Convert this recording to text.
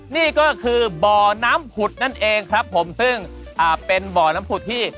นี่ก็คือบ่อน้ำผุดนั่นเองครับผมซึ่งอ่าเป็นบ่อน้ำผุดที่